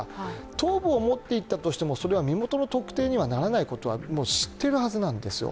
頭部を持っていったとしてもそれは身元の特定にはならないことは知っているはずなんですよ。